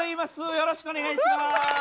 よろしくお願いします。